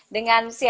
dengan cnn indonesia